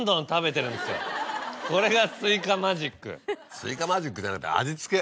スイカマジックじゃなくて味付け。